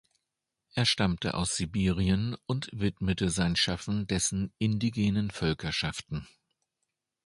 Er stammte aus Sibirien und widmete sein Schaffen dessen indigenen Völkerschaften.